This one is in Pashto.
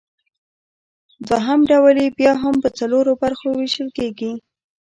دوهم ډول یې بیا هم پۀ څلورو برخو ویشل کیږي